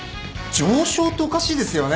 常勝っておかしいですよね。